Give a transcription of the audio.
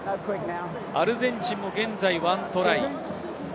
アルゼンチンも現在１トライ。